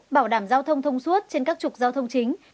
bảo đảm giao thông thông suốt trên các trục giao thông chính